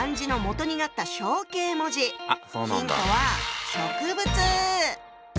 ヒントは植物！